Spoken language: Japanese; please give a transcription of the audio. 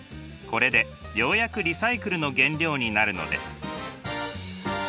これでようやくリサイクルの原料になるのです。